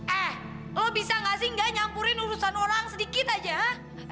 eh lo bisa gak sih gak nyampurin urusan orang sedikit aja ha